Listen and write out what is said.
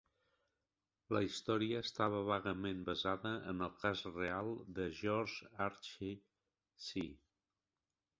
La història estava vagament basada en el cas real de George Archer-Shee.